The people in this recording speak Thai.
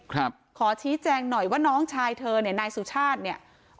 ครับขอชี้แจงหน่อยว่าน้องชายเธอเนี่ยนางศุกษัณฐ์เนี่ยโอ้โห